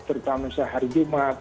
terutama sehari jumat